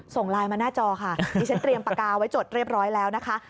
ส่งไลน์มาหน้าจอค่ะดิฉันเตรียมปากกาไว้จดเรียบร้อยแล้วนะคะ